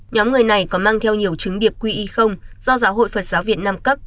nhóm người này có mang theo nhiều chứng điệp quy y không do giáo hội phật giáo việt nam cấp